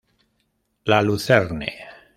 La Luzerne